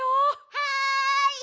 はい！